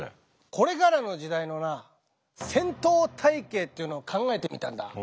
これからの時代の戦闘隊形っていうのを考えてみたんだ。